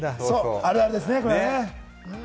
あるあるですよね。